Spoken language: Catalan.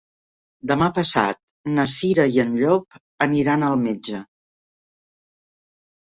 Demà passat na Cira i en Llop aniran al metge.